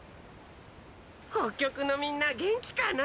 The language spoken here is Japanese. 北極のみんな元気かな？